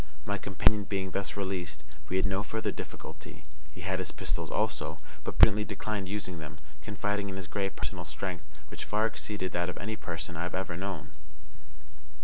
My companion being thus released, we had no further difficulty. He had his pistols also, but prudently declined using them, confiding in his great personal strength, which far exceeded that of any person I have ever known.